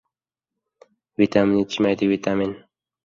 — Vitamin yetishmaydi, vitamin!